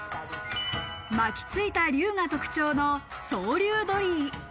巻きついた龍が特徴の双龍鳥居。